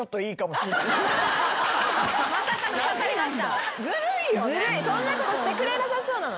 そんなことしてくれなさそうなのに。